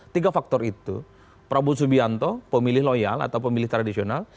tiga faktor itu prabowo subianto pemilih loyal atau pemilih tradisional